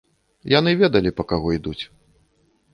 Яны ведалі, па каго ідуць.